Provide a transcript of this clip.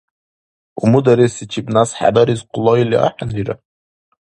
Умударесичиб нясхӀедарес къулайли ахӀенрира?